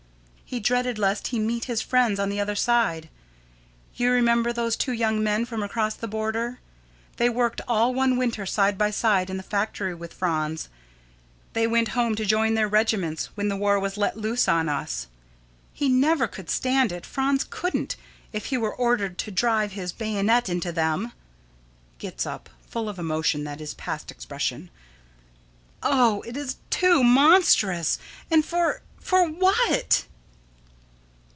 He dreaded lest he meet his friends on the other side. You remember those two young men from across the border? They worked all one winter side by side in the factory with Franz. They went home to join their regiments when the war was let loose on us. He never could stand it, Franz couldn't, if he were ordered to drive his bayonet into them. [Gets up, full of emotion that is past expression.] Oh, it is too monstrous! And for what for what?